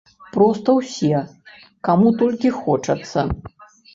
Проста ўсе, каму толькі хочацца!